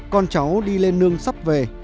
con cháu đi lên nương sắp về